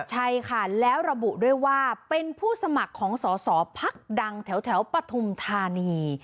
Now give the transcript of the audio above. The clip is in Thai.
ใช่ค่ะแล้วระบุด้วยว่าเป็นผู้สมัครของสอสอพักดังแถวปฐุมธานี